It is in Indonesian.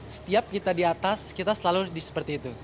setiap kita di atas kita selalu seperti itu